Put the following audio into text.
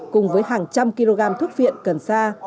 cùng với hàng trăm kg thuốc viện cần xa